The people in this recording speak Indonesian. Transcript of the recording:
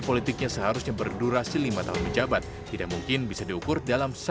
gerindra menyatakan anies punya potensi untuk menjadi wakil presiden pendatang